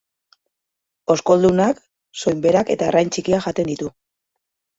Oskoldunak, soinberak eta arrain txikiak jaten ditu.